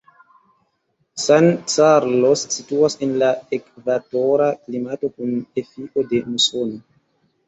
San Carlos situas en la ekvatora klimato kun efiko de musono.